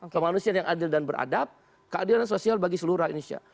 kemanusiaan yang adil dan beradab keadilan sosial bagi seluruh indonesia